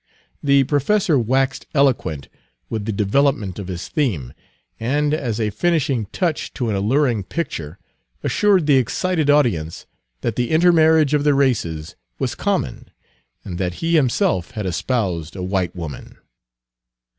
The professor waxed eloquent with the development of his theme, and, as a finishing touch to an alluring picture, assured the excited audience that the intermarriage of the races was common, and that he himself had espoused a white woman.